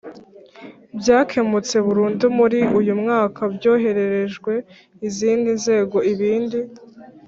byakemutse burundu muri uyu mwaka byohererejwe izindi nzego ibindi